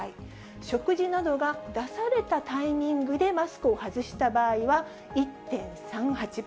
食事などが出されたタイミングでマスクを外した場合は１．３８倍。